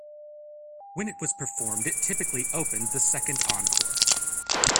When it was performed it typically opened the second encore.